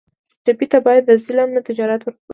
ټپي ته باید د ظلم نه نجات ورکړو.